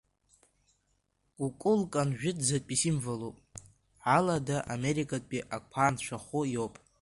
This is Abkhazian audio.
Кукулкан жәытәӡатәи символуп, Алада Америкатәи ақәа анцәахәы иоуп.